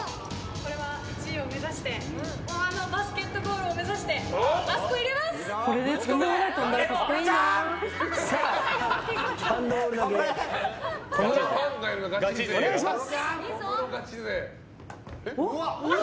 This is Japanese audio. これは１位を目指してあそこのバスケットゴールを目指して頑張ります！